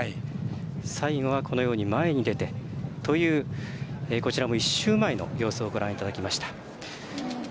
最後は、前に出てというこちらも１週前の様子をご覧いただきました。